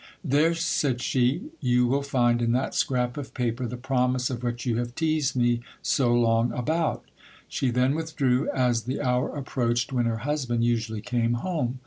There, said she, you will find in that scrap of paper the promise of what you have teased me so long about She then withdrew, as the hour approached when her husband usually came home.